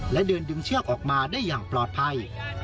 และเดินดึงเชือกออกมาได้อย่างปลอดภัย